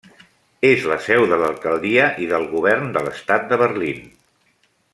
És la seu de l'alcaldia i del govern de l'Estat de Berlín.